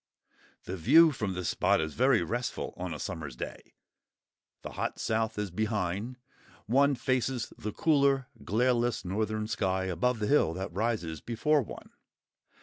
The view from this spot is very restful on a summer's day: the hot south is behind; one faces the cooler, glareless northern sky above the hill that rises before one.